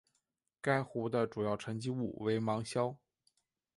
该湖的主要沉积物为芒硝。